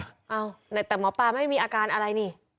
เอ้าแต่หมอปลาไม่มีอาการอะไรนี่